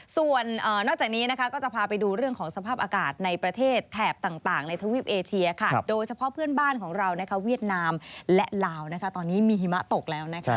ส่วนนอกจากนี้นะคะก็จะพาไปดูเรื่องของสภาพอากาศในประเทศแถบต่างในทวีปเอเชียค่ะโดยเฉพาะเพื่อนบ้านของเรานะคะเวียดนามและลาวตอนนี้มีหิมะตกแล้วนะคะ